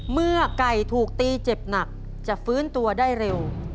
เมื่อไก่ถูกตีเจ็บหนักจะฟื้นตัวได้เร็ว